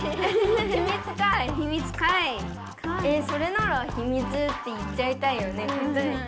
それならひみつって言っちゃいたいよね。